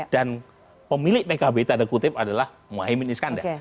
dan pemilik pkb tanda kutip adalah muhaimin iskandar